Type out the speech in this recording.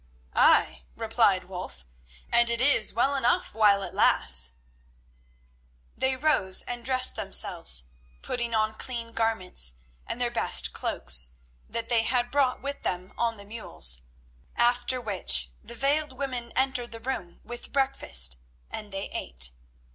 "Ay," replied Wulf, "and it is well enough while it lasts." They rose and dressed themselves, putting on clean garments and their best cloaks, that they had brought with them on the mules, after which the veiled women entered the room with breakfast, and they ate.